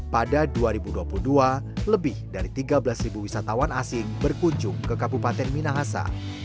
pada dua ribu dua puluh dua lebih dari tiga belas wisatawan asing berkunjung ke kabupaten minahasa